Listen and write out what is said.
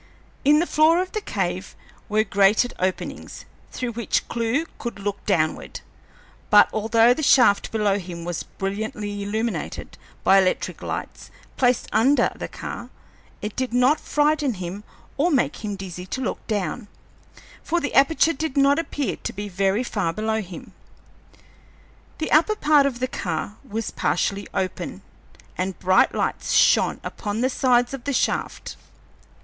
In the floor of the car were grated openings, through which Clewe could look downward; but although the shaft below him was brilliantly illuminated by electric lights placed under the car, it did not frighten him or make him dizzy to look down, for the aperture did not appear to be very far below him. The upper part of the car was partially open, and bright lights shone upon the sides of the shaft.